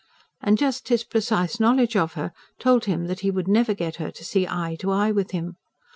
And just his precise knowledge of her told him that he would never get her to see eye to eye with him.